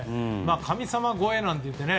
神様超えなんていってね